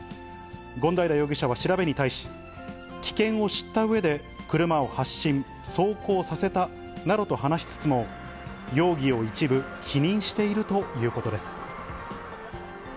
権平容疑者は調べに対し、危険を知ったうえで車を発進、走行させたなどと話しつつも、容疑を一部否認しているということです。